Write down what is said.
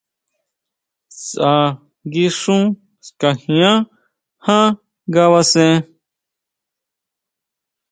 Saʼa nguixún sikajian ján ngabasen.